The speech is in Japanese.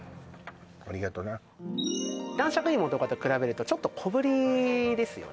ありがとうな男爵薯とかと比べるとちょっと小ぶりですよね